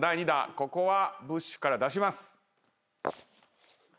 ここはブッシュから出します。